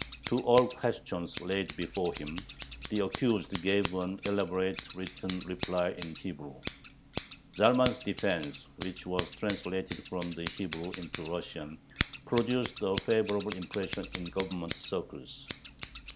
To all questions laid before him, the accused gave an elaborate written reply in Hebrew. Zalman's defense, which was translated from the Hebrew into Russian, produced a favorable impression in Government circles.